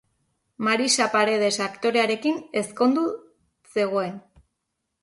Marisa Paredes aktorearekin ezkondu zegoen.